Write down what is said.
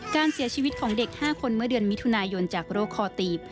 การเสียชีวิตของเด็ก๕คนเมื่อเดือนมิถุนายนจากโรคคอตีบ